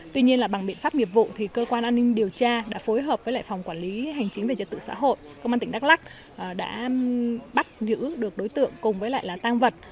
tuy nhiên là bằng biện pháp nghiệp vụ thì cơ quan an ninh điều tra đã phối hợp với lại phòng quản lý hành chính về trật tự xã hội công an tỉnh đắk lắc đã bắt giữ được đối tượng cùng với lại là tăng vật